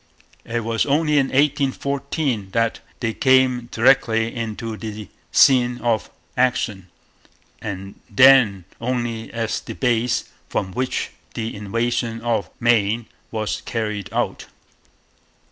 It was only in 1814 that they came directly into the scene of action, and then only as the base from which the invasion of Maine was carried out.